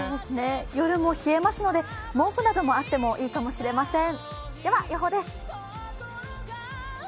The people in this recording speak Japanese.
夜も冷えますので毛布などもあってもいいかもしれません。